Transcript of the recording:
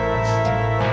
apa yang aku rasakan